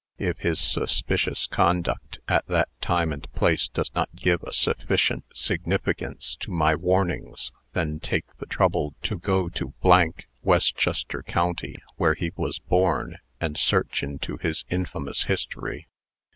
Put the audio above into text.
If his suspicious conduct, at that time and place, does not give a sufficient significance to my warnings, then take the trouble to go to , Westchester Co., where he was born, and search into his infamous history.